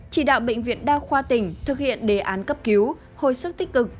chỉ đạo bệnh viện đa khoa tỉnh thực hiện đề án cấp cứu hồi sức tích cực